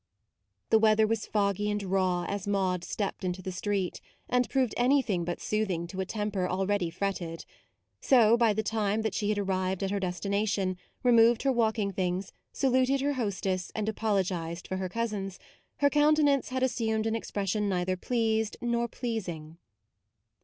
The weather was foggy and raw as Maude stepped into the street; and proved anything but soothing to a temper already fretted ; so by the time that she had arrived at her destination, removed her walking things, saluted her hostess, and apolo gised for her cousins, her counte nance had assumed an expression neither pleased nor pleasing.